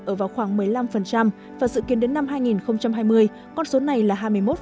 ở vào khoảng một mươi năm và dự kiến đến năm hai nghìn hai mươi con số này là hai mươi một